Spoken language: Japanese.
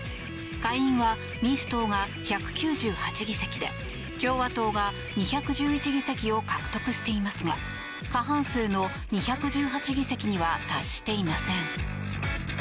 下院は民主党が１９８議席で共和党が２１１議席を獲得していますが過半数の２１８議席には達していません。